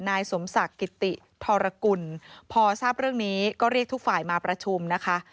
นายสมศักดิ์กิติธรกุลพอทราบเรื่องนี้ก็เรียกทุกฝ่ายมาประชุมนะคะ